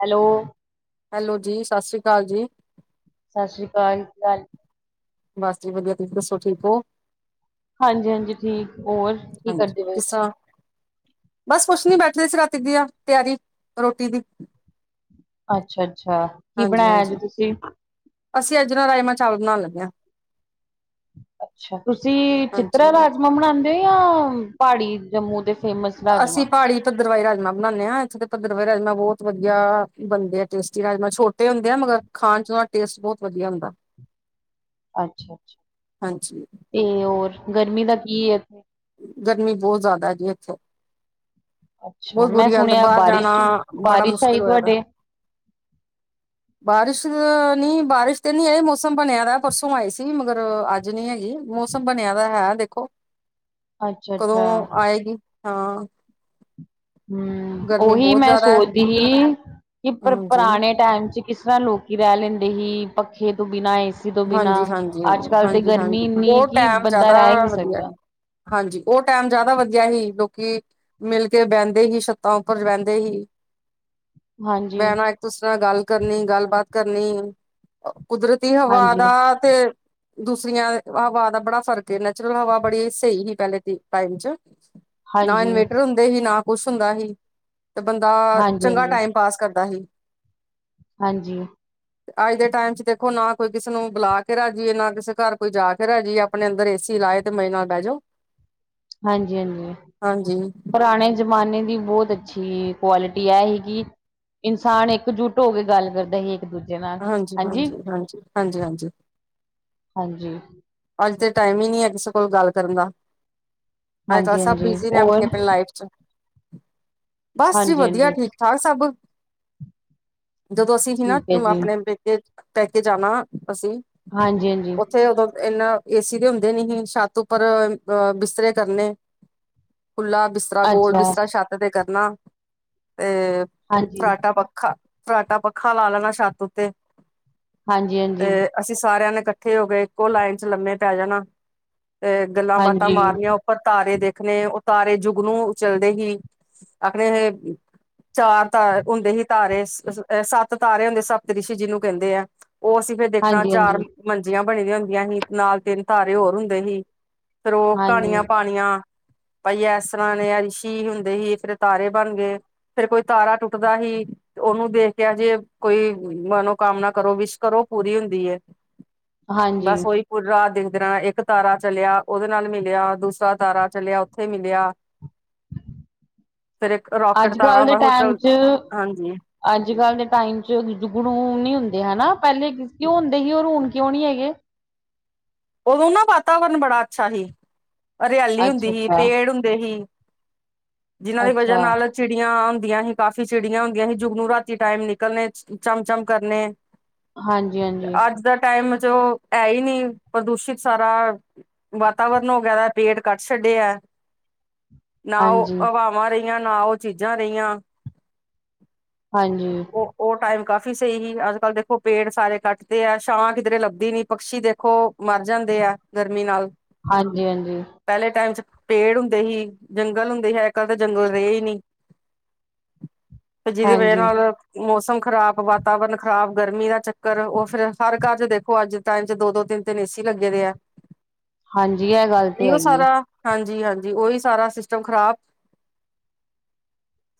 Hello, hello ਜੀ ਸਤਿ ਸ੍ਰੀ ਅਕਾਲ ਜੀ ਸਤਿ ਸ਼੍ਰੀ ਅਕਾਲ ਕੀ ਹਾਲ ਬਸ ਜੀ ਵਧੀਆ, ਤੁਸੀਂ ਦੱਸੋ ਠੀਕ ਹੋ? ਹਾਂਜੀ-ਹਾਂਜੀ ਠੀਕ, ਹੋਰ ਕੀ ਕਰਦੇ ਹਾਂਜੀ ਬਏਓ? ਕਿਸ ਤਰ੍ਹਾਂ ਬਸ ਕੁੱਛ ਨੀ, ਬੈਠਦੇ ਸੀ ਰਾਤੀ ਦੀਆਂ ਤਿਆਰੀ ਰੋਟੀ ਦੀ ਅੱਛਾ-ਅੱਛਾ ਕੀ ਹਾਂਜੀ ਬਣਾਇਆ ਅੱਜ ਹਾਂਜੀ ਤੁਸੀਂ? ਅਸੀਂ ਅੱਜ ਨਾ ਰਜਮਾਂ ਚਾਵਲ ਬਣਾਨ ਲੱਗੇ ਹਾਂ। ਅੱਛਾ, ਤੁਸੀਂ ਚਿੱਤਰਾ ਹਾਂਜੀ ਰਾਜਮਾਂ ਬਣਾਉਂਦੇ ਹੋ ਯਾ ਪਹਾੜੀ ਜੰਮੂ ਦੇ? ਫੇਮਸ ਰਾਜਮਾਂ ਭੱਦਰਰਵਾਈ ਰਜਮਾ ਬਣਾਂਦੇ ਹਾਂ, ਇੱਥੇ ਤੇ ਭੱਦਰਵਾਈ ਰਾਜਮਾਂ ਬਹੁਤ ਵਧੀਆ ਬਣਦੇ ਆ ਤੇਸਟੀ ਰਾਜਮਾਂ, ਛੋਟੇ ਹੁੰਦੇ ਆ ਮਗਰ ਖਾਣ ਚ ਉਹ ਦਾ ਟੇਸਟ ਬਹੁਤ ਵਧੀਆ ਹੁੰਦਾ। ਅੱਛਾ-ਅੱਛਾ ਹਾਂਜੀ ਤੇ ਹੋਰ ਗਰਮੀ ਦਾ ਕੀ ਹੈ ਇੱਥੇ? ਗਰਮੀ ਬਹੁਤ ਜ਼ਿਆਦਾ ਹੈ ਜੀ ਇੱਥੇ। ਅੱਛਾ ਬਹੁਤ ਮੈਂ ਬੁਰੀ ਹਾਲਤ, ਸੁਣਿਆ ਬਾਹਰ ਜਾਣਾ ਬਾਰਿਸ਼ ਬੜਾ ਬਾਰਿਸ਼ ਆਈ ਮੁਸ਼ਕਿਲ ਹੋਇਆ ਦਾ। ਤੁਹਾਡੇ ਬਾਰਿਸ਼ ਅਹ ਨੀ ਬਾਰਿਸ਼ ਤੇ ਨੀ ਆਈ, ਮੌਸਮ ਬਣਿਆ ਦਾ ਪਰਸੋਂ ਆਈ ਸੀ, ਮਗਰ ਅੱਜ ਨੀ ਹੈਗੀ ਮੌਸਮ ਬਣਿਆ। ਲਗਦਾ ਹੈ ਦੇਖੋ, ਅੱਛਾ ਅੱਛਾ ਕਦੋਂ ਆਏਗੀ? ਹਾਂ। ਹਮ ਗਰਮੀ ਉਹੀ ਬਹੁਤ ਮੈਂ ਜ਼ਿਆਦਾ ਹੈ ਸੋਚਦੀ ਸੀ ਕਿ ਪਰ ਹਾਂਜੀ ਪੁਰਾਣੇ ਟਾਈਮ ਚ ਕਿਸ ਕਿਸ ਤਰ੍ਹਾਂ ਲੋਕੀ ਰਹਿ ਲੈਂਦੇ ਸੀ ਪੱਖੇ ਤੋਂ ਬਿਨਾਂ ਐਸੀ ਤੋਂ ਹਾਂਜੀ ਬਿਨਾਂ, ਹਾਂਜੀ ਅੱਜ ਕੱਲ ਤੇ ਹਾਂਜੀ ਗਰਮੀ ਹਾਂਜੀ ਇੰਨੀ ਉਹ ਕਿ ਟੈਮ ਬੰਦਾ ਜ਼ਿਆਦਾ ਰਹਿ ਹੀ ਨਹੀਂ ਵਧੀਆ ਸਕਦਾ। ਸੀ। ਹਾਂਜੀ, ਉਹ ਟਾਈਮ ਜ਼ਿਆਦਾ ਵਧੀਆ ਹੀ ਲੋਕ ਕਿ ਮਿਲ ਕੇ ਬਹਿੰਦੇ ਹੀ, ਛੱਤਾਂ ਉੱਪਰ ਰਹਿੰਦੇ ਹੀ। ਹਾਂਜੀ, ਬੈਨਾ ਇੱਕ ਦੂਸਰੇ ਨਾਲ ਗੱਲ ਕਰਨੀ, ਗੱਲਬਾਤ ਕਰਨੀ, ਕੁਦਰਤੀ ਹਾਂਜੀ, ਵਾਦਾ ਤੇ ਦੂਸਰੀਆਂ ਹਵਾ ਦਾ ਬੜਾ ਫ਼ਰਕ ਏ, ਨੈਚੁਰਲ ਹਵਾ ਬੜੀ ਸਹੀ ਸੀ ਪਹਿਲੇ ਟਾਈਮ ਚ ਨਾ ਹਾਂਜੀ, ਹਾਂਜੀ, ਇਨਵੇਟਰ ਹੁੰਦੇ ਹੀ ਨਾ ਕੁਛ ਹੁੰਦਾ ਹੀ। ਤੇ ਬੰਦਾ ਚੰਗਾ ਹਾਂਜੀ। ਟਾਈਮ ਪਾਸ ਕਰਦਾ ਹੀ। ਹਾਂਜੀ। ਅੱਜ ਦੇ ਟਾਈਮ ਚ ਦੇਖੋ ਨਾ ਕੋਈ ਕਿਸੇ ਨੂੰ ਬੁਲਾ ਕੇ ਰਾਜੀ ਏ, ਨਾ ਕਿਸੇ ਘਰ ਕੋਈ ਜਾ ਕੇ ਰਾਜੀ ਏ, ਆਪਣੇ ਅੰਦਰ ਏ ਸੀ ਲਾਏ ਤੇ ਮਜ਼ੇ ਨਾਲ ਬਹਿ ਜਾਓ। ਹਾਂਜੀ-ਹਾਂਜੀ ਹਾਂਜੀ ਪੁਰਾਣੇ ਜਮਾਨੇ ਦੀ ਬਹੁਤ ਅੱਛੀ ਕੁਆਲਿਟੀ ਇਹ ਕਰੇਗੀ ਇਨਸਾਨ ਇਕਜੁੱਟ ਹੋ ਕੇ ਗੱਲ ਕਰਦਾ ਸੀ। ਦੂਜੇ ਨਾਲ ਹਾਂਜੀ ਹਾਂਜੀ ਹਾਂਜੀ ਹਾਂਜੀ ਹਾਂਜੀ ਹਾਂਜੀ-ਹਾਂਜੀ ਅੱਜ ਦੇ ਟਾਈਮ ਹੀ ਨਹੀਂ ਹੈ ਕਿਸੇ ਕੋਲ ਗੱਲ ਕਰਨ ਦਾ ਅੱਜ ਕੱਲ ਹਾਂਜੀ, ਸਭ ਹਾਂਜੀ ਬਿਜ਼ੀ ਨੇ ਆਪਣੀ ਔਰ ਆਪਣੀ ਲਾਈਫ ਚ। ਬਸ ਜੀ ਹਾਂਜੀ, ਵਧੀਆ, ਹਾਂਜੀ ਠੀਕ ਠਾਕ ਸਭ। ਜਦੋਂ ਅਸੀਂ ਹੀ ਨਾ, ਠੀਕ ਹੈ ਜੀ। ਆਪਣੇ ਪੇਕੇ ਪੈਕੇ ਜਾਣਾ ਅਸੀਂ, ਹਾਂਜੀ, ਹਾਂਜੀ। ਉੱਥੇ ਉਦੋਂ ਇਨਾ ਏ ਸੀ ਤੇ ਹੁੰਦੇ ਨੀ ਸੀ, ਛੱਤ ਉੱਪਰ ਅਹ ਬਿਸਤਰੇ ਕਰਨੇ। ਖੁੱਲ੍ਹਾ ਬਿਸਤਰਾ, ਗੋਲ ਅੱਛਾ ਬਿਸਤਰਾ ਛੱਤ ਤੇ ਕਰਨਾ। ਤੇ ਹਾਂਜੀ ਫਰਾਟਾ ਪੱਖਾ, ਫਰਾਟਾ ਪੱਖਾ ਲਾ ਲੈਣਾ ਛੱਤ ਉੱਤੇ। ਹਾਂਜੀ ਹਾਂਜੀ ਤੇ ਅਸੀਂ ਸਾਰਿਆਂ ਨੇ ਇਕੱਠੇ ਹੋ ਕੇ ਇੱਕੋ ਲਾਈਨ ਚ ਲੰਮੇ ਪੈ ਜਾਣਾ। ਤੇ ਗੱਲਾਂ ਬਾਤਾਂ ਹਾਂਜੀ ਮਾਰਨੀਆਂ ਉੱਪਰ ਤਾਰੇ ਦੇਖਣੇ ਤਾਰੇ ਜੁੱਗਨੂੰ ਚੱਲਦੇ ਹੀ, ਆਖਦੇ ਇਹ ਚਾਰ ਤ ਹੁੰਦੇ ਸੀ ਤਾਰੇ, ਸ ਏਹ ਸੱਤ ਤਾਰੇ ਹੁੰਦੇ, ਸਤ ਰਿਸ਼ੀ ਜਿਹਨੂੰ ਕਹਿੰਦੇ ਆ। ਉਹ ਅਸੀਂ ਫਿਰ ਦੇਖਣਾ ਹਾਂਜੀ ਚਾਰ ਹਾਂਜੀ ਮੰਜੀਆਂ ਬਣੀ ਦੀਆਂ ਹੁੰਦੀਆਂ ਸੀ, ਨਾਲ ਤਿੰਨ ਤਾਰੇ ਹੋਰ ਹੁੰਦੇ ਹੀ। ਫੇਰ ਉਹ ਕਹਾਣੀਆਂ ਹਾਂਜੀ ਪਾਣੀਆਂ। ਭਾਈ ਇਸ ਤਰ੍ਹਾਂ ਨੇ ਅੰਸ਼ੀ ਹੁੰਦੇ ਹੀ, ਫਿਰ ਤਾਰੇ ਬਣ ਗਏ। ਫੇਰ ਕੋਈ ਤਾਰਾ ਟੁੱਟਦਾ ਹੀ, ਉਹਨੂੰ ਦੇਖ ਕੇ ਹਜੇ ਕੋਈ ਮਨੋਕਾਮਨਾ ਕਰੋ, ਵਿਸ਼ ਕਰੋ ਪੂਰੀ ਹੁੰਦੀ ਹੈ। ਹਾਂਜੀ ਬਸ ਓਹੀ ਪੂਰੀ ਰਾਤ ਦਿਨ ਜਿਦੇ ਨਾਲ ਇੱਕ ਤਾਰਾ ਚੱਲਿਆ, ਉਹਦੇ ਨਾਲ ਮਿਲਿਆ, ਦੂਸਰਾ ਤਾਰਾ ਚੱਲਿਆ, ਉੱਥੇ ਮਿਲਿਆ। ਫੇਰ ਇੱਕ ਰੋਕਟ ਅੱਜ ਤਾਰਾ ਕੱਲ ਹੁੰਦਾ ਦੇ ਉਹ ਟਾਈਮ ਚੱਲ ਚ ਹਾਂਜੀ ਅੱਜ ਕੱਲ੍ਹ ਦੇ ਟਾਈਮ ਚ ਜੁਗਣੂ ਨੀ ਹੁੰਦੇ ਹਨਾ? ਪਹਿਲੇ ਕਿਉਂ ਹੁੰਦੇ ਸੀ ਹੁਣ ਕਿਉਂ ਨਹੀਂ ਹੈਗੇ। ਉਦੋਂ ਨਾ ਵਾਤਾਵਰਨ ਬੜਾ ਅੱਛਾ ਸੀ ਹਰਿਆਲੀ ਅੱਛਾ ਹੁੰਦੀ ਸੀ ਅੱਛਾ ਪੇੜ ਹੁੰਦੇ ਸੀ। ਜਿਹਨਾਂ ਦੀ ਵਜ੍ਹਾ ਅੱਛਾ ਨਾਲ ਚਿੜੀਆਂ, ਹੁੰਦੀਆਂ ਹੀ ਕਾਫੀ ਚਿੜੀਆਂ ਹੁੰਦੀਆਂ ਸੀ ਜੁਗ ਨੂੰ ਰਾਤੀ ਟਾਈਮ ਨਿਕਲਣੇ ਚਮ-ਚਮ ਕਰਨੇ ਹਾਂਜੀ-ਹਾਂਜੀ ਜੋ ਹੈ ਹੀ ਨੀ, ਪ੍ਰਦੂਸ਼ਿਤ ਸਾਰਾ ਵਾਤਾਵਰਣ ਹੋਗਿਆ ਪੇਟ ਕਟਣ ਛੱਡਿਆ ਨਾ ਉਹ ਹਾਂਜੀ ਹਵਾਵਾਂ ਰਹੀਆਂ ਨਾ ਉਹ ਚੀਜ਼ਾਂ ਰਹੀਆਂ, ਹਾਂਜੀ ਉਹ-ਉਹ ਟਾਈਮ ਕਾਫੀ ਕਾਫੀ ਸਹੀ ਸੀ ਅੱਜ ਕੱਲ ਦੇਖੋ ਪੇੜ ਸਾਰੇ ਕੱਟਦੇ ਆ ਛਾਂ ਕਿਧਰੇ ਲੱਭਦੀ ਨੀ ਪਕਸ਼ੀ ਦੇਖੋ, ਮਰ ਜਾਂਦੇ ਆ ਗਰਮੀ ਨਾਲ, ਹਾਂਜੀ-ਹਾਂਜੀ ਪਹਿਲੇ ਟਾਈਮ ਚ ਪੇੜ ਹੁੰਦੇ ਸੀ ਜੰਗਲ ਹੁੰਦੇ ਹੈ ਅਜ ਕੱਲ ਤਾਂ ਜੰਗਲ ਰਹੇ ਹੀ ਨਹੀਂ। ਤੇ ਜਿਹਦੀ ਵਜ੍ਹਾ ਹਾਂਜੀ ਨਾਲ ਮੌਸਮ, ਖ਼ਰਾਬ ਵਾਤਾਵਰਨ ਖਰਾਬ ਗਰਮੀ ਦਾ ਚੱਕਰ ਉਹ ਫਿਰ ਹਰ ਘਰ ਚ ਦੇਖੋ ਅੱਜ ਟਾਈਮ ਚ ਦੋ ਦੋ ਤਿੰਨ ਨ ਸੀ ਲੱਗੇ ਦੇ ਆ ਹਾਂਜੀ ਇਹ ਗੱਲ ਤੇ ਇਹੋ ਹੈਗੀ ਹੈ ਸਾਰਾ ਹਾਂਜੀ, ਜੀ ਹਾਂਜੀ ਉਹੀ ਸਾਰਾ ਸਿਸਟਮ ਖਰਾਬ,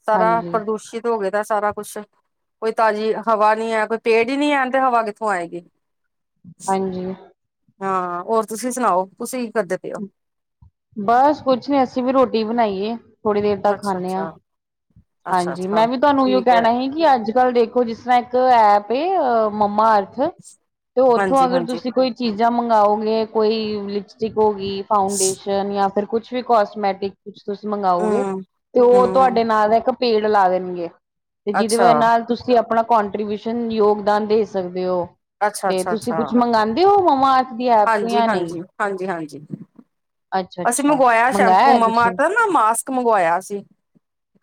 ਸਾਰਾ ਹਾਂਜੀ ਪ੍ਰਦੂਸ਼ਿਤ ਹੋ ਗਏ। ਸਾਰਾ ਕੁਛ ਕੋਈ ਤਾਜ਼ੀ ਹਵਾ ਨੀ ਹੈ ਕੋਈ ਪੇੜ ਹੀ ਨੀ ਐ ਤੇ ਹਵਾ ਕਿੱਥੋਂ ਆਏਗੀ। ਹਾਂਜੀ, ਹਾਂ ਹੋਰ ਤੁਸੀਂ ਸੁਣਾਓ ਤੁਸੀਂ? ਕਰਦੇ ਪਏ ਹੋ? ਬਸ ਕੁਛ ਨੀ ਅਸੀਂ ਵੀ ਰੋਟੀ ਬਣਾਈਏ, ਥੋੜ੍ਹੀ ਦੇਰ ਤੱਕ ਅੱਛਾ ਖਾਂਨੇ ਹਾਂ, ਅੱਛਾ ਅੱਛਾ ਹਾਂਜੀ ਅੱਛਾ ਮੈਂ ਵੀ ਤੁਹਾਨੂੰ ਇਹੋ ਠੀਕ ਹੈ। ਕਹਿਣਾ ਸੀ ਕਿ ਅੱਜ-ਕੱਲ੍ਹ ਦੇਖੋ ਜਿਸ ਤਰ੍ਹਾਂ ਇੱਕ ਐਪ ਅ ਮੰਮਾ ਅਰਥ ਤੇ ਉੱਥੋਂ ਹਾਂਜੀ ਅਗਰ ਹਾਂਜੀ ਤੁਸੀਂ ਕੋਈ ਚੀਜ਼ਾਂ ਮੰਗਵਾਓਗੇ। ਕੋਈ ਲਿਪਸਟਿਕ ਹੋ ਗਈ ਫਾਊਂਡੇਸ਼ਨ ਯਾਂ ਫਿਰ ਕੁਛ ਵੀ ਕਸਮੈਟਿਕ ਕੁਛ ਤੁਸੀਂ ਮੰਗਓਗੇ ਹਮ ਤੇ ਉਹ ਹਮ ਤੁਹਾਡੇ ਨਾਂ ਦਾ ਇੱਕ ਪੇੜ ਲਾ ਦੇਣਗੇ। ਤੇ ਅੱਛਾ ਜਿਹਦੇ ਨਾਲ ਤੁਸੀਂ ਆਪਣਾ ਕੋਂਟਰੀਬਿਊਸ਼ਨ ਯੋਗਦਾਨ ਦੇ ਸਕਦੇ ਹੋ। ਅੱਛਾ ਤੇ ਅੱਛਾ ਤੁਸੀਂ ਅੱਛਾ ਕੁਛ ਮੰਗਾਦੇ ਹੋ- ਮੰਮਾ ਅਰਥ ਦੀ ਐਪ ਤੋਂ ਹਾਂਜੀ ਜਾਂ ਨਹੀਂ ਹਾਂਜੀ ਹਾਂਜੀ ਹਾਂਜੀ। ਅੱਛਾ ਅਸੀਂ ਅੱਛਾ ਮੰਗਵਾਇਆ ਮੰਗਾਇਆ ਸ਼ੈਂਪੂ ਹੈ ਤੁਸੀਂ ਮੰਮਾਰਥ ਨਾ ਮਾਸਕ ਮੰਗਵਾਇਆ ਸੀ।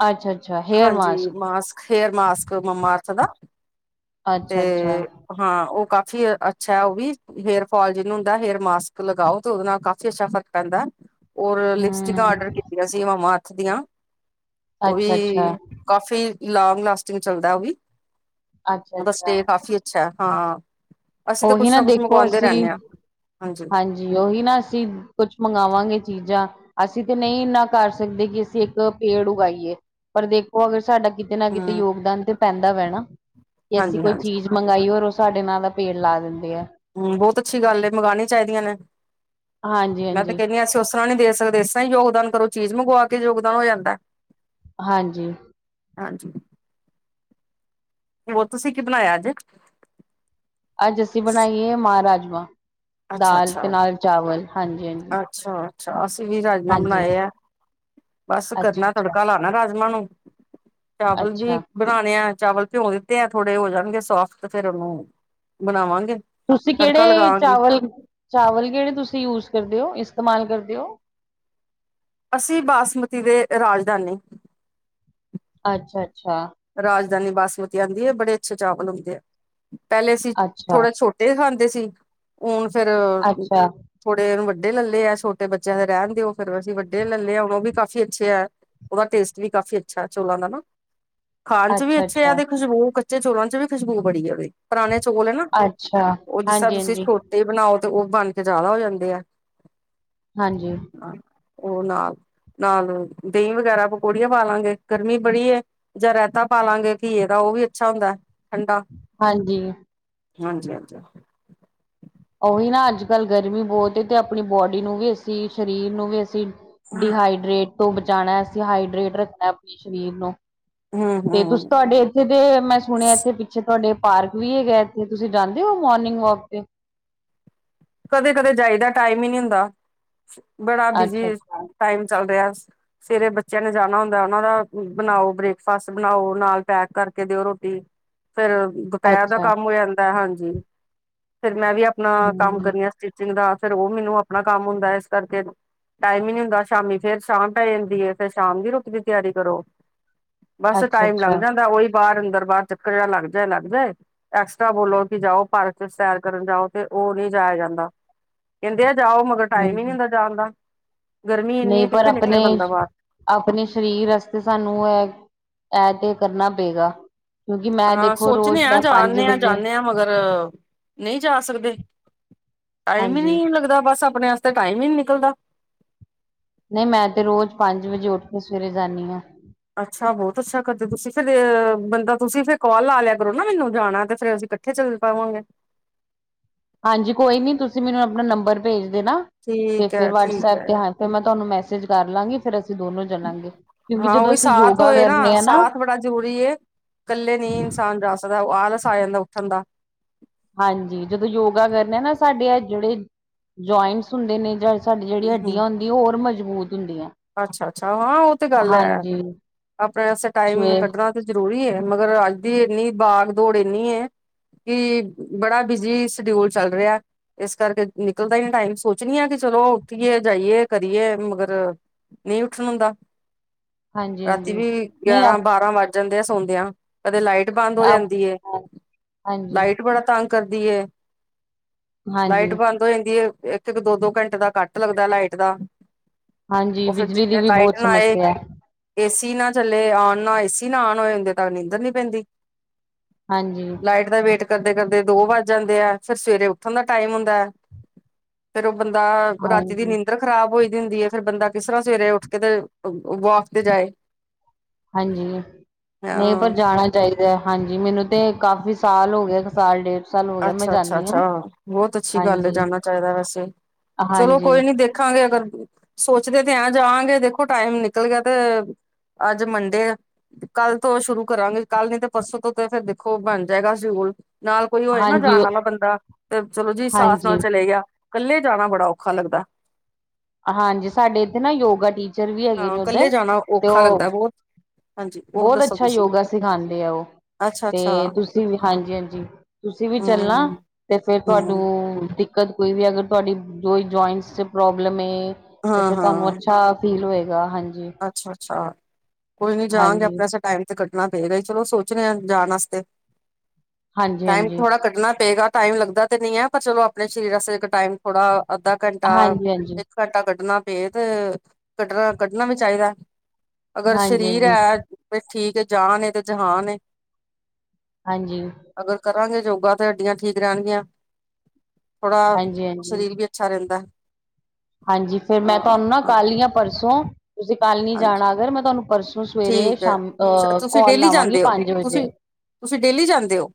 ਅੱਛਾ ਅੱਛਾ ਹੇਅਰ ਹਾਂਜੀ ਮਾਸਕ ਹੇਅਰ ਮਾਸਕ ਮੰਮਾਅਰਥ ਦਾ ਤੇ ਅੱਛਾ ਅੱਛਾ ਹਾਂ ਉਹ ਕਾਫੀ ਫੀ ਅੱਛਾ ਹੈ ਉਹ ਵੀ, ਹੇਰ ਫਾਲ ਜਿਹਨੂੰ ਹੁੰਦਾ ਹੇਰ ਮਾਸਕ ਲਗਾਓ ਤੇ ਉਹਦੇ ਨਾਲ ਕਾਫੀ ਅੱਛਾ ਫ਼ਰਕ ਪੈਂਦਾ ਐ ਔਰ ਲਿਪਸਟਿਕਾਂ ਆਡਰ ਹਮ ਕੀਤੀਆਂ ਸੀ ਮੰਮਾਅਰਥ ਦੀਆਂ ਉਹ ਵੀ ਅੱਛਾ ਅੱਛਾ ਕਾਫ਼ੀ ਲੋਂਗ ਲਾਸਟਿੰਗ ਚੱਲਦਾ ਉਹ ਵੀ, ਉਹਦਾ ਅੱਛਾ-ਅੱਛਾ ਸਟੇ ਕਾਫੀ ਅੱਛਾ ਐ ਹਾਂ। ਅਸੀਂ ਤਾਂ ਉਹੀ ਕੁਛ ਨਾ ਕੁਛ ਦੇਖੋ ਮੰਗਵਾਉਂਦੇ ਅਸੀਂ ਰਹਿੰਦੇ ਹਾਂ ਹਾਂਜੀ ਉਹੀ ਨਾ ਅਸੀਂ ਕੁਛ ਮੰਗਵਾਂਗੇ ਚੀਜ਼ਾਂ ਅਸੀਂ ਤੇ ਨਹੀਂ ਇੰਨਾ ਕਰ ਸਕਦੇ ਕਿ ਅਸੀਂ ਇੱਕ ਪੇੜ ਉਗਾਈਏ ਪਰ ਦੇਖੋ ਅਗਰ ਸਾਡਾ ਕਿਤੇ ਨਾ ਕਿਤੇ ਹਮ ਯੋਗਦਾਨ ਤੇ ਪੈਂਦਾ ਵਾ ਨਾ ਕਿ ਅਸੀਂ ਹਾਂਜੀ ਕੋਈ ਹਾਂਜੀ ਚੀਜ਼ ਮੰਗਾਈ ਔਰ ਉਹ ਸਾਡੇ ਨਾਂ ਦਾ ਪ ਪੇੜ ਲਾ ਦਿੰ ਹੂੰ ਬਹੁਤ ਅੱਛੀ ਗੱਲ ਏ ਮੰਗਾਣੀ ਚਾਹੀਦੀਆਂ ਨੇ। ਮੈਂ ਤਾਂ ਹਾਂਜੀ-ਹਾਂਜੀ। ਕਹਿੰਦੀ ਹਾਂ ਅਸੀਂ ਉਸ ਤਰ੍ਹਾਂ ਨੀ ਦੇ ਸਕਦੇ ਇਸ ਤਰ੍ਹਾਂ ਯੋਗਦਾਨ ਕਰੋ ਚੀਜ਼ ਮੰਗਵਾ ਕੇ ਯੋਗਦਾਨ ਹੋ ਜਾਂਦਾ। ਹਾਂਜੀ। ਹਾਂਜੀ। ਹੋਰ ਤੁਸੀਂ ਕੀ ਬਣਾਇਆ ਅੱਜ? ਅੱਜ ਅਸੀਂ ਬਣਾਈ ਏ ਮਾ ਰਾਜਮਾਂ ਅੱਛਾ ਦਾਲ ਤੇ ਅੱਛਾ ਨਾਲ ਚਾਵਲ। ਹਾਂਜੀ-ਹਾਂਜੀ। ਅੱਛਾ ਅੱਛਾ ਅਸੀਂ ਵੀ ਰਾਜਮਾਂ ਹਾਂਜੀ ਬਣਾਏ ਅੱਛਾ-ਅੱਛਾ, ਆ, ਬਸ ਕਰਨਾ ਅੱਛਾ ਤੜਕਾ ਲਾਣਾ ਰਾਜਮਾਂ ਨੂੰ- ਅੱਛਾ ਚਾਵਲ ਵੀ ਅੱਛਾ, ਬਣਾਣੇ ਆ- ਚਾਵਲ ਭਿਉਂ ਦਿੱਤੇ ਆ ਥੋੜੇ ਹੋ ਜਾਣਗੇ ਸੋਫਟ ਤੇ ਫੇਰ ਉਹਨੂੰ ਬਣਾਵਾਂਗੇ। ਤੁਸੀਂ ਤੜਕਾ ਕਿਹੜੇ ਲਗਾਵਾਂਗੀ ਚਾਵਲ ਚਾਵਲ ਕਿਹੜੇ ਤੁਸੀਂ ਯੂਜ- ਕਰਦੇਓ ਇਸਤੇਮਾਲ ਕਰਦੇਓ? ਅਸੀਂ ਬਾਸਮਤੀ ਦੇ ਰਾਜਦਾਨੀ। ਅੱਛਾ ਅੱਛਾ। ਦਾਨੀ ਬਾਸਮਤੀ ਆਉਂਦੀ ਹੈ ਬੜੇ ਅੱਛੇ ਚਾਵਲ ਹੁੰਦੇ ਆ, ਪਹਿਲੇ ਅਸੀਂ ਅੱਛਾ, ਥੋੜੇ ਛੋਟੇ ਹੀ ਖਾ- ਦੇ ਸੀ, ਹੁਣ ਫੇਰ ਅੱਛਾ, ਥੋੜੇ ਵੱਡ- ਵੱਡੇ ਲੈਲੇ ਆ, ਛੋਟੇ ਬੱਚਿਆਂ ਦੇ ਰਹਿਣਓ ਫਿਰ ਅਸੀਂ ਵੱਡੇ ਲੈਲੇ ਹੁਣ ਉਹ ਵੀ ਕਾਫ ਅੱਛੇ ਆ। ਉਹਦਾ ਟੇਸਟ ਵੀ ਕਾਫ਼ੀ ਅੱਛਾ ਚੋਲਾਂ ਦਾ ਨਾ- ਖਾਣ ਚ ਵੀ ਅੱਛਾ, ਅੱਛੇ ਆ ਅੱਛਾ, ਤੇ ਖੁਸ਼ਬੂ ਕੱਚੇ ਚੋਲਾਂ ਚ ਵੀ ਖੁਸ਼ਬੂ ਬੜੀ ਆ ਉਹਦੇ, ਪੁਰਾਣੇ- ਚੋਲ ਹੈ ਨਾ ਅੱਛਾ, ਉਹ ਜਿਸ ਤਰ੍ਹਾਂ ਹਾਂਜੀ, ਤੁਸੀਂ ਹਾਂਜੀ, ਛੋਟੇ ਬਣਾਓ- ਤੇ ਉਹ ਬਣ ਕੇ ਜ਼ਿਆਦਾ ਹੋ ਜਾਂਦੇ ਆ। ਹਾਂਜੀ। ਉਹ ਨਾਲ ਨਾਲ ਦਹੀਂ ਵਗੈਰਾ ਪਕੌੜੀਆਂ ਪਾ ਲਾਂਗੇ, ਗਰਮੀ ਬੜੀ ਐ- ਜਾਂ ਰਾਇਤਾ ਪਾਾਲਾਂਗੇ ਘੀਏ ਦਾ ਉਹ ਵੀ ਅੱਛਾ ਹੁੰਦਾ। ਠੰਡਾ ਹਾਂਜੀ। ਹਾਂਜੀ ਹਾਂਜੀ। ਉਹੀ ਨਾ ਅੱਜ ਕੱਲ ਗਰਮੀ ਬਹੁਤ ਤੇ ਆਪਣੀ ਬੋਡੀ ਨੂੰ ਵੀ ਅਸੀ, ਸਰੀਰ ਨੂੰ ਵੀ ਅਸੀਂ- ਡੀਹਾਈਡਰੇਟ ਤੋਂ ਬਚਾਉਣਾ ਅਸੀਂ ਹਾਈਡਰੇਟ ਰੱਖਣਾ ਆਪਣੇ ਸਰੀਰ ਨੂੰ। ਹੂੰ ਤੇ ਤੁਸੀਂ ਹੂੰ ਤੁਹਾਡੇ ਇੱਥੇ ਦੇ ਮੈਂ ਸੁਣਿਆ ਇੱਥੇ ਪਿੱਛੇ- ਤੁਹਾਡੇ ਪਾਰਕ ਵੀ ਹੈਗਾ, ਇੱਥੇ ਤੁਸੀਂ ਜਾਂਦੇ ਹੋ ਮੋਰਨਿੰਗ ਵੋਂਕ ਤੇ? ਕਦੇ ਕਦੇ ਜਾਈਦਾ ਟਾਈਮ ਹੀ ਨੀ ਹੁੰਦਾ, ਬੜਾ ਅੱਛਾ, ਬਿਜੀ ਟਾਈਮ ਚੱਲ ਰਿਹਾ। [unintelligible] ਸਵੇਰੇ ਬੱਚਿਆਂ ਨੇ ਜਾਣਾ ਹੁੰਦਾ ਉਹਨਾਂ ਦਾ ਬਣਾਓ ਬ੍ਰੇਕਫਾਸਟ ਬਣਾਓ ਨਾਲ ਪੈਕ ਕਰਕੇ ਦਿਓ ਰੋਟੀ। ਫੇਰ ਅੱਛਾ, ਦੁਪਹਿਰ ਦਾ ਅੱਛਾ, ਕੰਮ ਹੋ ਜਾਂਦਾ ਹਾਂਜੀ ਫੇਰ ਮੈਂ ਵੀ ਆਪਣਾ ਕੰਮ ਹੂੰ, ਕਰੀਆਂ ਸਟਿਚਿੰਗ ਦਾ ਫੇਰ ਉਹ ਮੈਨੂੰ ਆਪਣਾ ਕੰਮ ਹੁੰਦਾ ਇਸ ਕਰਕੇ ਟਾਈਮ ਹੀ ਨਹੀਂ ਹੁੰਦਾ ਸ਼ਾਮ ਫੇਰ ਸ਼ਾਮ ਪੈ ਜਾਂਦੀ ਹੈ ਫੇਰ ਸ਼ਾਮ ਦੀ ਰੋਟੀ ਦੀ ਤਿਆਰੀ ਕਰੋ। ਬਸ ਅੱਛਾ, ਟਾਈਮ ਲੱਗ ਅੱਛਾ, ਜਾਂਦਾ ਉਹੀ ਬਾਹਰ ਅੰਦਰ ਬਾਹਰ ਚੱਕਰ ਜਿਾ ਲੱਗ ਜਾਏ ਲੱਗ ਜਾਏ ਐਕਸਟਰਾ ਬੋਲੋ ਕਿ ਜਾਓ ਪਾਰਕ ਚ ਸੈਰ ਕਰਨ ਜਾਓ ਤੇ ਉਹ ਨੀ ਜਾਇਆ ਜਾਂਦਾ ਕਹਿੰਦੇ ਆ ਜਾਓ ਮਗਰ ਟਾਈਮ ਹੀ ਨਹੀਂ ਹਾਂਜੀ। ਹੁੰਦਾ ਜਾਣ ਦਾ ਗਰਮੀ ਨਹੀਂ ਇੰਨੀ ਪਰ ਕਿੱਥੇ ਆਪਣੇ ਨਿਕਲੇ ਬੰਦਾ ਬਾਹਰ ਆਪਣੇ ਸਰੀਰ ਵਾਸਤੇ ਸਾਨੂੰ ਇਹ ਇਹ ਤੇ ਕਰਨਾ ਪਏਗਾ ਮੈਂ ਹਾਂ ਦੇਖੋ ਸੋਚਣੇ ਰੋਜ਼ ਹਾਂ ਮੈਂ ਪੰਜ ਜਾਦੇ ਆ ਵਜੇ ਜਾਂਦੇ ਆਂ ਮਗਰ ਨਹੀਂ ਜਾ ਸਕਦੇ ਟਾਈਮ ਹੀ ਹਾਂਜੀ ਨਹੀਂ ਲੱਗਦਾ ਬਸ ਆਪਣੇ ਵਾਸਤੇ ਟਾਈਮ ਹੀ ਨੀ ਨਿਕਲਦਾ ਨਹੀਂ ਮੈਂ ਤੇ ਰੋਜ਼ ਪੰਜ ਵਜੇ ਉੱਠ ਕੇ ਸਵੇਰੇ ਜਾਂਦੀ ਹਾਂ ਅੱਛਾ ਬਹੁਤ ਅੱਛਾ ਕਰਦੇ ਤੁਸੀਂ ਫੇਰ ਬੰਦਾ ਤੁਸੀਂ ਫਿਰ ਕਾਲ ਲਾ ਲਿਆ ਕਰੋ ਨਾ ਮੈਨੂੰ ਜਾਣਾ ਤੇ ਫੇਰ ਅਸੀਂ ਇਕੱਠੇ ਚੱਲ ਪਾਵਾਂਗੇ ਹਾਂਜੀ ਕੋਈ ਨੀ ਤੁਸੀਂ ਮੈਨੂੰ ਆਪਣਾ ਨੰਬਰ ਭੇਜ ਦੇ ਨਾ ਤੇ ਠੀਕ ਫੇਰ ਹੈ ਠੀਕ ਵਟਸਐਪ ਹੈ ਤੇ ਹਾਂ ਫਿਰ ਮੈਂ ਤੁਹਾਨੂੰ ਮੈਸੇਜ ਕਰ ਲਾਂਗੀ ਫਿਰ ਅ ਅਸੀਂ ਦੋਨੋ ਚਲਾਂਗੇ ਕਿਉਂਕਿ ਹਾਂ ਜਦੋਂ ਉਹੀ ਅਸੀਂ ਸਾਥ ਯੋਗਾ ਹੋਏ ਕਰਨੇ ਆ ਨਾ ਸਾਥ ਬੜਾ ਜ਼ਰੂਰੀ ਏ ਇਕੱਲੇ ਨਹੀਂ ਇਨਸਾਨ ਜਾ ਸਕਦਾ ਉਹ ਆਲਸ ਆ ਜਾਂਦਾ ਉੱਠਣ ਦਾ ਹਾਂਜੀ ਜਦੋਂ ਯੋਗਾ ਕਰੇ ਆ ਨਾ ਸਾਡੇ ਆ ਜਿਹੜੇ ਜੁਆਇੰਟਸ ਹੁੰਦੇ ਨੇ ਜਾਂ ਸਾਡੀ ਜਿਹੜੀ ਹਮ ਹੱਡੀਆਂ ਹੁੰਦੀ ਉਹ ਹੋਰ ਮਜ਼ਬੂਤ ਹੁੰਦੀਆਂ ਅੱਛਾ ਅੱਛਾ ਹਾਂ ਉਹ ਤੇ ਗੱਲ ਹੈ ਹਾਂਜੀ ਆਪਣੇ ਵਾਸਤੇ ਟਾਈਮ ਸਵੇ ਕੱਢਣਾ ਤੇ ਜ਼ਰੂਰੀ ਹੈ ਮਗਰ ਅੱਜ ਦੀ ਇੰਨੀ ਬਾਗ ਦੌੜ ਇੰਨੀ ਏ ਕਿ ਬੜਾ ਬਿਜੀ ਸ਼ਡਿਊਲ ਚੱਲ ਰਿਹਾ ਹੈ ਇਸ ਕਰਕੇ ਨਿਕਲਦਾ ਹੀ ਨੀਂ ਟਾਈਮ ਸੋਚਣੀ ਆ ਕਿ ਚਲੋ ਉੱਠੀਏ ਜਾਈਏ ਕਰੀਏ ਮਗਰ ਨਹੀਂ ਉੱਠਣ ਹੁੰਦਾ ਹਾਂਜੀ-ਹਾਂਜੀ ਰਾਤੀ ਵੀ ਨਹੀਂ ਗਿਆਰਾਂ ਆਪ ਬਾਰਾਂ ਵੱਜ ਜਾਂਦੇ ਆ ਸੌਦਿਆਂ ਕਦੇ ਲਾਈਟ ਬੰਦ ਹੋ ਆਪ ਜਾਂਦੀ ਹਾਂਜੀ, ਲਾਈਟ ਬੜਾ ਤੰਗ ਕਰਦੀ ਹਾਂਜੀ, ਲਾਈਟ ਬੰਦ ਹੋ ਜਾਂਦੀ ਹੈ। ਇੱਕ-ਇੱਕ ਦੋ-ਦੋ ਘੰਟੇ ਦਾ ਕੱਟ ਲੱਗਦਾ ਲਾਈਟ ਦਾ, ਹਾਂਜੀ ਉਹ ਫੇਰ ਬਿਜਲੀ ਜਿਨੀਂ ਦੀ ਦੇਰ ਵੀ ਬਹੁਤ ਲਾਈਟ ਨਾ ਆਏ ਸਮੱਸਿਆ ਹੈ ਏਸੀ ਏ ਨਾ ਚੱਲੇ ਆਨ ਨਾ ਏਸੀ ਨਾ ਆਨ ਹੋਏ ਹੁੰਦੇ ਤ ਨੀਂਦਰ ਨੀ ਪੈਂਦੀ ਹਾਂਜੀ, ਲਾਈਟ ਦਾ ਵੇਟ ਕਰਦੇ ਕਰਦੇ ਦੋ ਵੱਜ ਜਾਂਦੇ ਆ ਫੇਰ ਸਵੇਰੇ ਉੱਠਣ ਦਾ ਟਾਈਮ ਹੁੰਦਾ ਫੇਰ ਉਹ ਬੰਦਾ ਰਾਤੀ ਦੀ ਹਾਂਜੀ, ਨੀਦਰ ਖਰਾਬ ਹੋਈ ਦੀ ਹੁੰਦੀ ਹੈ ਫੇਰ ਬੰਦਾ ਕਿਸ ਤਰ੍ਹਾਂ ਸਵੇਰੇ ਉੱਠ ਕੇ ਤੇ ਵੋਕ ਤੇ ਜਾਓ। ਹਾਂਜੀ ਨਹੀਂ ਪਰ ਹਾਂ ਜਾਣਾ ਚਾਹੀਦਾ ਹਾਂਜੀ ਮੈਨੂੰ ਤੇ ਕਾਫ਼ੀ ਸਾਲ ਹੋ ਗਿਆ। ਸਾਲ ਡੇਡ ਸਾਲ ਹੋ ਗਿਆ ਮੈਂ ਜਾਂਦੀ ਅੱਛਾ-ਅੱਛਾ-ਅੱਛਾ ਹਾਂ ਬਹੁਤ ਅੱਛੀ ਗੱਲ ਹੈ ਹਾਂਜੀ, ਜਾਨਾ ਚਾਹੀਦਾ ਵੈਸੇ, ਚਲੋ ਹਾਂਜੀ, ਕੋਈ ਨੀ ਦੇਖਾਂਗੇ ਅਗਰ, ਸੋਚਦੇ ਤੇ ਐ ਜਾਵਗੇ ਦੇਖੋ ਟਾਈਮ ਨਿਕਲ ਗਿਆ ਤੇ ਅੱਜ ਮੰਡੇ ਕੱਲ ਤੋਂ ਸ਼ੁਰੂ ਕਰਾਂਗੇ ਕੱਲ ਨੀ ਤੇ ਪਰਸੋਂ ਤੋਂ ਤੇ ਫੇਰ ਦੇਖੋ ਬਣ ਜਾਏਗਾ ਸੀ। ਨਾਲ ਕੋਈ ਹੋਏ ਨਾ ਹਾਂਜੀ, ਜਾਣ ਵਾਲਾ ਉਹ- ਬੰਦਾ ਤੇ ਚਲੋ ਜੀ ਸਾਥ ਨਾਲ ਹਾਂਜੀ, ਚਲੇ ਗਿਆ। ਕੱਲੇ ਜਾਣਾ ਬੜਾ ਔਖਾ ਲੱਗਦਾ। ਹਾਂਜੀ ਸਾਡੇ ਇੱਥੇ ਨਾ ਯੋਗਾ ਟੀਚਰ ਵੀ ਹੈਗੇ ਨੇ ਹਾਂ ਕੱਲੇ ਉੱਧਰ ਜਾਣਾ ਤੇ ਔਖਾ ਲੱਗਦਾ ਉਹ ਬਹੁਤ ਹਾਂਜੀ ਹੋਰ ਬਹੁਤ ਦੱਸੋ ਅੱਛਾ ਤੁਸੀਂ ਯੋਗਾ ਸਿਖਾਉਂਦੇ ਆ ਉਹ ਅੱਛਾ ਤੇ ਅੱਛਾ ਤੁਸੀਂ ਵੀ ਹਾਂਜੀ ਹਾਂਜੀ, ਤੁਸੀਂ ਵੀ ਚੱਲਣਾ ਹਮ ਤੇ ਫੇਰ ਹਮ ਤੁਹਾਨੂੰ, ਦਿੱਕਤ ਕੋਈ ਵੀ ਅਗਰ ਤੁਹਾਡੀ ਜੋ ਹੀ ਜੁਆਇੰਟਸ 'ਚ ਪ੍ਰੋਬਲਮ ਹੈ। ਤੇ ਫੇਰ ਤੁਹਾਨੂੰ ਅੱਛਾ ਫੀਲ ਹੋਏਗਾ। ਹਾਂਜੀ ਅੱਛਾ-ਅੱਛਾ ਕੋਈ ਨੀ ਜਾਗੇ ਹਾਂਜੀ ਆਪਣੇ ਟਾਈਮ ਤੇ ਕੱਡ ਕੱਣਾ ਪਏਗਾ ਹੀ ਚਲੋ ਸੋਚ ਰ ਹਾਂ ਜਾਣ ਵਾਸਤੇ ਹਾਂਜੀ ਟਾਈਮ ਹਾਂਜੀ ਥੋੜਾ ਕੱਢਣਾ ਪਏਗਾ। ਟਾਈਮ ਲੱਗਦਾ ਤੇ ਨਹੀਂ ਹੈ ਪਰ ਚਲੋ ਆਪਣੇ ਸ਼ਰੀਰ ਵਾਸਤੇ ਟਾਈਮ ਥੋੜ੍ਹਾ, ਅੱਧਾ ਘੰਟਾ ਹਾਂਜੀ ਹਾਂਜੀ ਇੱਕ ਘੰਟਾ ਕੱਢਣਾ ਪਏ ਤੇ ਕੱਢਣਾ ਕ ਣਾ ਵੀ ਚਾਹੀਦਾ ਅਗਰ ਸਰੀਰ ਹਾਂਜੀ ਹਾਂਜੀ ਹਾਂਜੀ ਹੈ ਵੀ ਠੀਕ। ਜਾਨ ਏ ਤੇ ਜਹਾਨ ਏ। ਹਾਂਜੀ, ਅਗਰ ਕਰਾਂਗੇ ਯੋਗਾ ਤੇ ਹੱਡੀਆਂ ਠੀਕ ਰਹਿਣਗੀਆਂ ਥੋੜਾ ਹਾਂਜੀ ਸਰੀਰ ਵੀ ਅੱਛਾ ਰਹਿੰਦਾ। ਹਾਂਜੀ ਫੇਰ ਮੈਂ ਹਾਂ ਤੁਹਾਨੂੰ ਨਾ ਕੱਲ ਹੀ ਹਾਂ ਪਰਸੋਂ ਤੁਸੀਂ ਕੱਲ ਨੀ ਹਾਂਜੀ ਜਾਣਾ ਅਗਰ ਮੈਂ ਤੁਹਾਨੂੰ ਪਰਸੋਂ ਸਵੇਰੇ ਠੀਕ ਹੈ ਸ਼ਾਮ ਅ ਤੁਸੀਂ ਕੋਾਲ ਡੇਲੀ ਲਾਵਾਂਗੀ ਜਾਂਦੇ ਹੋ ਪੰਜ ਵਜੇ, ਤੁਸੀਂ ਤੁਸੀਂ ਡੇਲੀ ਜਾਂਦੇ ਹੋ?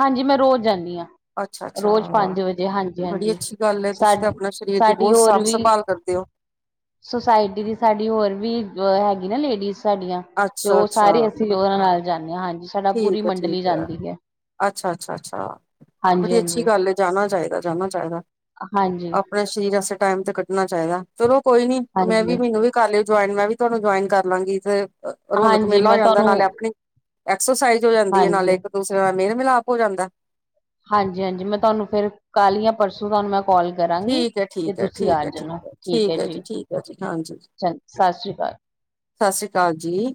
ਹਾਂਜੀ ਮੈਂ ਰੋਜ਼ ਜਾਂਦੀ ਹਾਂ, ਅੱਛਾ-ਅੱਛਾ ਰੋਜ਼ ਪੰਜ ਵਜੇ ਹਾਂਜੀ ਬੜੀ ਹਾਂਜੀ ਅੱਛੀ ਗੱਲ ਹੈ ਸਾ ਤੁਸੀਂ ਤਾਂ ਆਪਣਾ ਸਰੀਰ ਦੇ, ਬਹੁਤ ਸਾਂਭ ਸੰਭਾਲ ਕਰਦੇ ਹੋ, ਸੁੋਸਾਇਟੀ ਦੀ ਸਾਡੀ ਹੋਰ ਵੀ ਹੈਗੀ ਨਾ ਲੇਡੀਜ਼, ਸਾਡੀਆਂ ਤੇ ਅੱਛਾ ਉਹ ਅੱਛਾ ਸਾਰੇ ਅਸੀਂ ਉਹਨਾਂ ਨਾਲ ਜਾਂਦੇ ਹਾਂ ਹਾਂਜੀ ਸਾਡਾ ਪੂਰੀ ਮੰਡਲੀ ਜਾਂਦੀ ਹੈ। ਅੱਛਾ-ਅੱਛਾ-ਅੱਛਾ ਹਾਂਜੀ ਬੜੀ ਅੱਛੀ ਹਾਂਜੀ ਗੱਲ ਹੈ ਜਾਣਾ ਚਾਹੀਦਾ ਜਾਣਾ ਚਾਹੀਦਾ। ਹਾਂਜੀ ਆਪਣੇ ਸਰੀਰ ਸ ਟਾਈਮ ਤੇ ਕੱਢਣਾ ਚਾਹੀਦਾ ਚਲੋ ਕੋਈ ਨੀ ਮੈਂ ਵੀ ਹਾਂਜੀ ਮੈਨੂੰ ਵੀ ਕਰ ਲਿਓ ਜੁਆਇਨ ਮੈਂ ਵੀ ਤੁਹਾਨੂੰ ਜੁਆਇਨ ਕਰ ਲਾਂਗੀ। ਰੌਣਕ ਹਾਂਜੀ ਮੇਲਾ ਹੋ ਮੈਂ ਜਾਂਦਾ ਤੁਹਾਨੂੰ ਨਾਲੇ ਆਪਣੀ, ਐਕਸਰਸਾਈਜ ਹੋ ਜਾਂਦੀ ਹੈ ਨਾਲ ਹਾਂਜੀ ਇੱਕ ਦੂਸਰੇ ਨਾਲ ਮੇਲ ਮਿਲਾਪ ਹੋ ਜਾਂਦਾ। ਹਾਂਜੀ-ਹਾਂਜੀ ਮੈਂ ਤੁਹਾਨੂੰ ਫੇਰ ਕੱਲ ਜਾ ਪਰਸੋਂ ਤੁਹਾਨੂੰ ਮੈਂ ਕਾਲ ਕਰਾਂਗੀ ਠੀਕ ਹੈ ਤੇ ਠੀਕ ਹੈ ਤੁਸੀਂ ਆ ਠੀਕ ਹੈ ਠੀਕ ਜਾਣਾ ਠੀਕ ਹੈ ਜੀ ਠੀਕ ਹੈ ਜੀ ਹਾਂਜੀ ਸਤਿ ਸ੍ਰੀ ਅਕਾਲ ਹ ਸਤਿ ਸ੍ਰੀ ਅਕਾਲ ਜੀ,